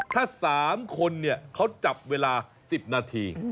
ถ้า๓คนเขาจับเวลา๑๐นาที